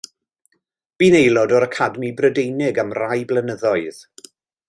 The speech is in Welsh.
Bu'n aelod o'r Academi Brydeinig am rai blynyddoedd.